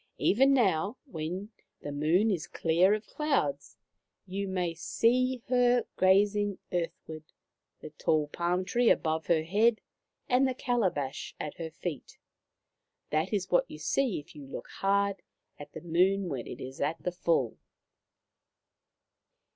Even now, when the Moon is clear of clouds, you may see her 146 Maoriland Fairy Tales gazing earthward, the tall palm tree above her head, and the calabash at her feet. That is what you see if you look hard at the moon when it is at the full.